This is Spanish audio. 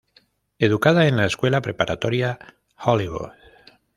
Educada en la Escuela Preparatoria Hollywood.